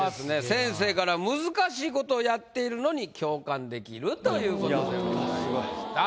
先生から「難しいことをやってるのに共感できる」ということでございました。